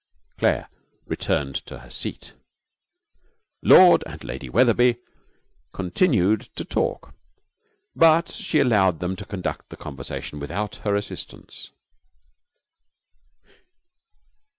Claire returned to her seat. Lord and Lady Wetherby continued to talk, but she allowed them to conduct the conversation without her assistance.